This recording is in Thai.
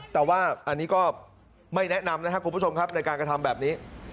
แต่ว่าอันนี้ก็ไม่แนะนำนะครับคุณผู้ชมครับในการกระทำแบบนี้